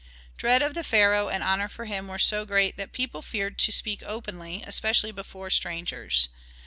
Dread of the pharaoh and honor for him were so great that people feared to speak openly, especially before strangers.